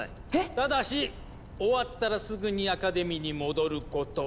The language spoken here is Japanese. ただし終わったらすぐにアカデミーに戻ること。